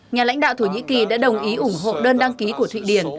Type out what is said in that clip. nhà lãnh đạo thổ nhĩ kỳ đã đồng ý ủng hộ đơn đăng ký của thụy điển